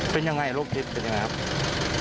เป็นยังไงโรคจิตเป็นยังไงครับ